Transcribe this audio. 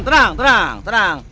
tenang tenang tenang